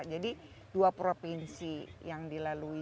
jadi dua provinsi yang dilalui